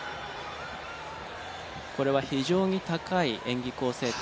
これは非常に高い演技構成点